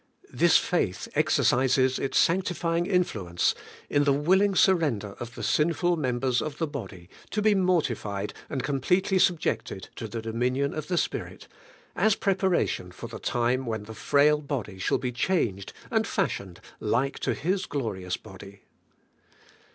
This faith exercises its sanctifying influence in the willing surrender of the sinful members of the body to be mortified and completely subjected to the AS YOUR REDEMPTION. 83 dominion of the Spirit, as preparation for the time when the frail body shall be changed and fashioned like to His glorious body.